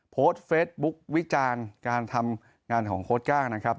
โพสต์เฟสบุ๊ควิจารณ์การทำงานของโค้ดก้านะครับ